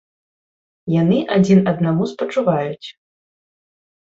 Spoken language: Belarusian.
Яны адзін аднаму спачуваюць.